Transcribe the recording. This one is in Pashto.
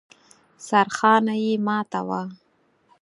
سرخانه يې ماته وه.